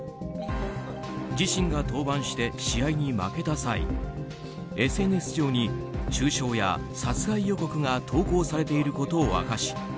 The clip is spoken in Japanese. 自身が登板して試合に負けた際ＳＮＳ上に中傷や殺害予告が投稿されていることを明かし